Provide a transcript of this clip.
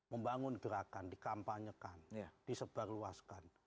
membangun gerakan dikampanyekan disebarluaskan